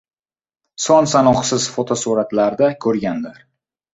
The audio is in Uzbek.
son-sanoqsiz fotosuratlarda ko‘rganlar.